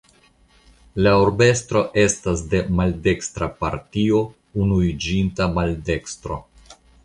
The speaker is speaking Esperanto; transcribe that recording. La urbestro estas de maldekstra partio Unuiĝinta Maldekstro.